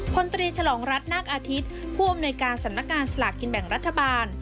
พลตรีฉลองรัฐนาคอาทิตย์ผู้อำนวยการสำนักงานสลากกินแบ่งรัฐบาล